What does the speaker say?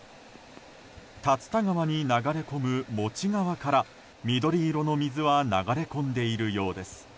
竜田川に流れ込むモチ川から緑色の水は流れ込んでいるようです。